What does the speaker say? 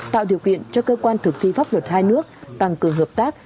tạo điều kiện cho cơ quan thực thi pháp luật hai nước tăng cường hợp tác